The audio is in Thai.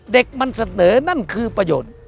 เด็กมันเสนอนั่นคือประโยชน์